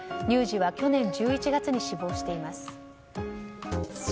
乳児は去年１１月に死亡しています。